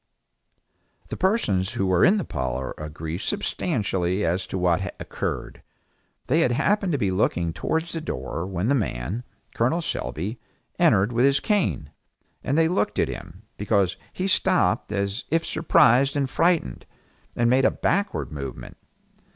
The persons who were in the parlor agree substantially as to what occurred. They had happened to be looking towards the door when the man Col. Selby entered with his cane, and they looked at him, because he stopped as if surprised and frightened, and made a backward movement.